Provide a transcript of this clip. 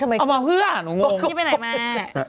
เยอะแยะเอามาเพื่อโกรธนี่ไปไหนมา